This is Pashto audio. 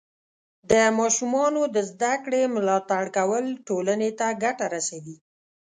د ماشومانو د زده کړې ملاتړ کول ټولنې ته ګټه رسوي.